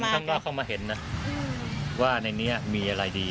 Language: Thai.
ข้างนอกเข้ามาเห็นนะว่าในนี้มีอะไรดี